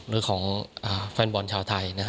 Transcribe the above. หรือของแฟนบอลชาวไทย